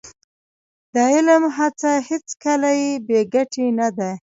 د علم هڅه هېڅکله بې ګټې نه ده.